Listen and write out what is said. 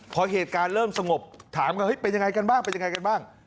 พอเหตุการณ์เริ่มสงบถามกันเฮ้ยเป็นยังไงกันบ้างเป็นยังไงกันบ้าง